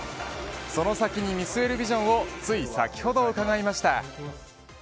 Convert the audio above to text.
その先に見据えるビジョンをつい先ほど伺いました。